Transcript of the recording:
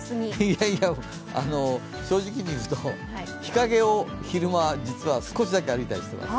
いやいや、正直に言うと日陰を昼間実は少しだけ歩いたりしています。